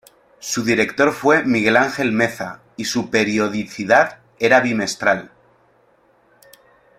Su director fue Miguel Ángel Meza y su periodicidad era bimestral.